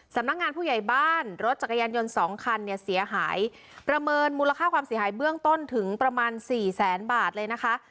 สำนักงานผู้ใหญ่บ้านรถจักรยานยนต์สองคันเนี่ยเสียหายประเมินมูลค่าความเสียหายเบื้องต้นถึงประมาณสี่แสนบาทเลยนะคะ